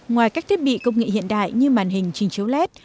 ngoài các thiết bị công nghệ hiện đại như màn hình trình chiếu led